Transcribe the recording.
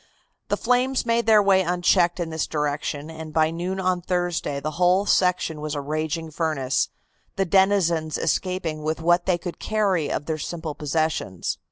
The flames made their way unchecked in this direction, and by noon on Thursday the whole section was a raging furnace, the denizens escaping with what they could carry of their simple possessions.